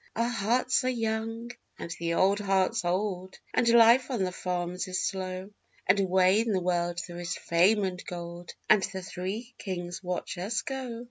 Our hearts are young and the old hearts old, and life on the farms is slow, _And away in the world there is fame and gold and the Three Kings watch us go.